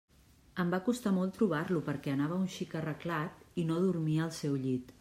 Em va costar molt trobar-lo perquè anava un xic arreglat i no dormia al seu llit.